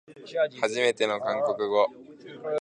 はじめての韓国語